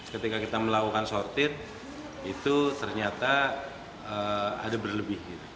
ketika kita melakukan sortir itu ternyata ada berlebih